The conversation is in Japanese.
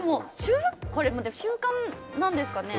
これは習慣なんですかね。